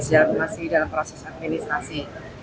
yang masih dalam proses administrasi